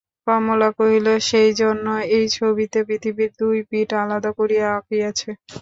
কমলা কহিল, সেইজন্য এই ছবিতে পৃথিবীর দুই পিঠ আলাদা করিয়া আঁকিয়াছে।